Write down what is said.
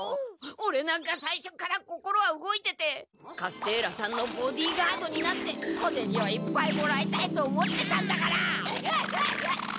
オレなんかさいしょから心は動いててカステーラさんのボディーガードになって小ゼニをいっぱいもらいたいと思ってたんだから！